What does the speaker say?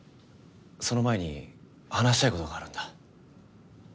その前に話したい事があるんだ。